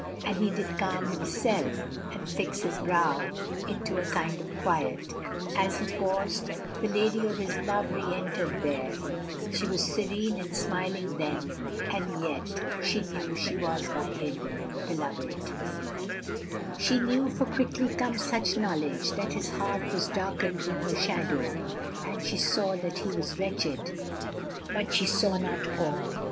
And he did calm himself, and fix his brow Into a kind of quiet: as he paused, The lady of his love re entered there; She was serene and smiling then, and yet She knew she was by him beloved, she knew, For quickly comes such knowledge, that his heart Was darkened with her shadow, and she saw That he was wretched; but she saw not all.